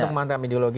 untuk memantap ideologi